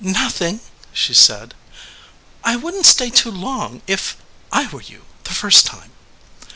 "Nothing," she said. "I wouldn t stay too long, if I were you, the first time."